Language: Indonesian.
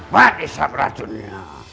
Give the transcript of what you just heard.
bagi sab racunnya